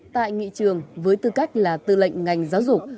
tại nghị trường với tư cách là tư lệnh ngành giáo dục